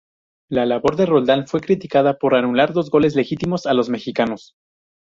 La labor de Roldán fue criticada por anular dos goles legítimos a los mexicanos.